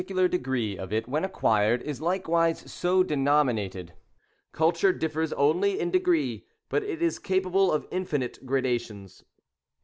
23 lar degree of it, when acquired, is likewise so denominated. Culture differs only in degree, but it is capable of infinite gradations.